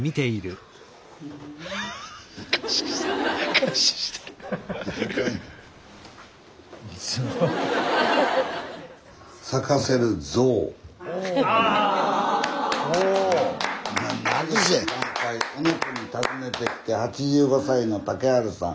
「小野家に訪ねて来て８５歳の竹春さん